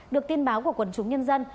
được tin báo của quần chúng nhân dân